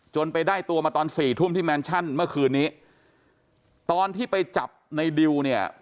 ไปได้ตัวมาตอนสี่ทุ่มที่แมนชั่นเมื่อคืนนี้ตอนที่ไปจับในดิวเนี่ย